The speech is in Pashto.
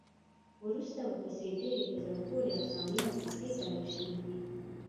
وروسته ورپسې ډېرې په زړه پورې افسانې او کیسې تړل شوي دي.